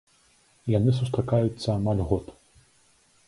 Яны сустракаюцца амаль год.